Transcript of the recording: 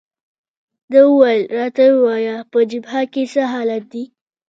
ده وویل: راته ووایه، په جبهه کې څه حالات دي؟